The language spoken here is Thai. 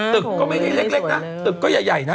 ตึกก็ไม่ได้เล็กนะตึกก็ใหญ่นะ